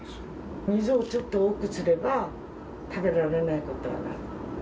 水をちょっと多くすれば食べられないことはない。